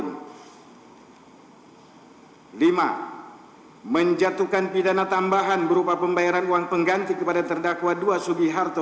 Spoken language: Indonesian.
tiga menjatuhkan pidana kepada terdakwa dua subiharto